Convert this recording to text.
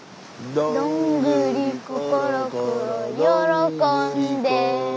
「どんぐりころころよろこんで」